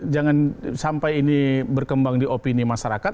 jangan sampai ini berkembang di opini masyarakat